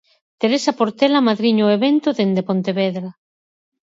Teresa Portela amadriña o evento dende Pontevedra.